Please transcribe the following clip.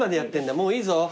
もういいぞ。